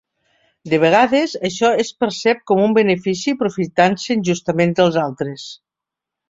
De vegades, això es percep com un benefici aprofitant-se injustament dels altres.